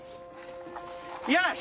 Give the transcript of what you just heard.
よし！